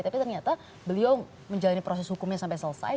tapi ternyata beliau menjalani proses hukumnya sampai selesai